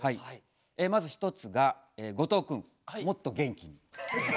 まず１つが後藤くんもっと元気に。